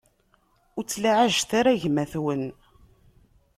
Ur ttlaɛajet ara gma-twen.